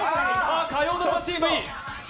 火曜ドラマチーム、いい！